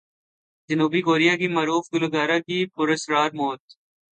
جنوبی کوریا کی معروف گلوکارہ کی پر اسرار موت